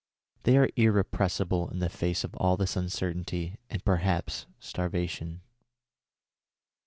They are irrepressible in the face of all this uncertainty and perhaps starvation."